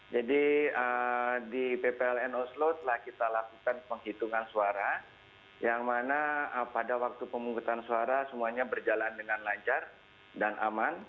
jadi di ppln oslo telah kita lakukan penghitungan suara yang mana pada waktu pemungkutan suara semuanya berjalan dengan lancar dan aman